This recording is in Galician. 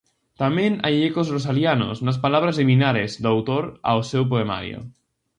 Tamén hai ecos rosalianos nas palabras liminares do autor ao seu poemario: